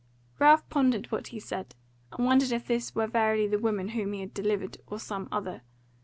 Ralph pondered what he said, and wondered if this were verily the woman whom he had delivered, or some other.